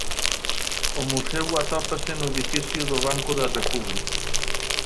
O museo atópase no edificio do Banco da República.